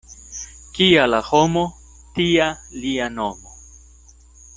Kia la homo, tia lia nomo.